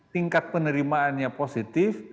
tingkat penerimaannya positif